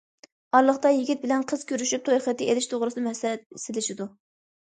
ئارىلىقتا يىگىت بىلەن قىز كۆرۈشۈپ توي خېتى ئېلىش توغرىسىدا مەسلىھەت سېلىشىدۇ.